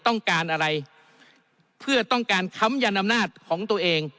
ต้องการอะไรเพื่อต้องการค้ำยันอำนาจของตัวเอง